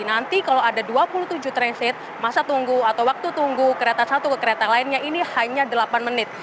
nanti kalau ada dua puluh tujuh transit masa tunggu atau waktu tunggu kereta satu ke kereta lainnya ini hanya delapan menit